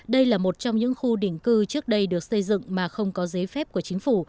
đây là một trong những khu định cư trước đây được xây dựng mà không có giấy phép để xây dựng